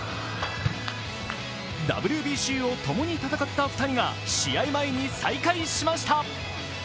ＷＢＣをともに戦った２人が試合前に再会しました。